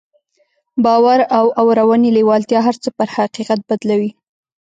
باور او اورنۍ لېوالتیا هر څه پر حقيقت بدلوي.